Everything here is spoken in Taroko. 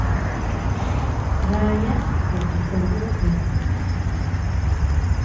Gaya pstrung